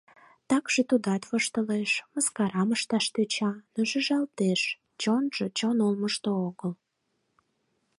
Такше тудат воштылеш, мыскарам ышташ тӧча, но шижалтеш: чонжо чон олмышто огыл.